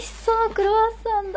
クロワッサンだ。